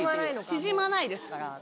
縮まないですから。